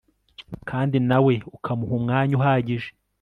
kandi nawe ukamuha umwanya uhagije